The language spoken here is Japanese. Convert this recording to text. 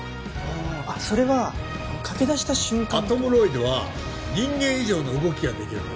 ああそれは駆けだした瞬間とアトムロイドは人間以上の動きができるんだ